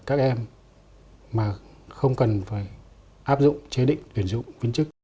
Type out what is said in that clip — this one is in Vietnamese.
các em mà không cần phải áp dụng chế định tuyển dụng viên chức